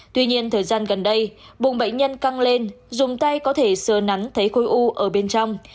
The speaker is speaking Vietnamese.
tuy nhiên thời gian gần đây bùng bệnh nhân căng lên dùng tay có thể sờ nắn thấy khối u ở bên trong